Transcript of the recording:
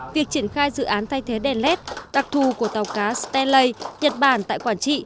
việc triển khai dự án thay thế đèn led đặc thù của tàu cá stanley nhật bản tại quản trị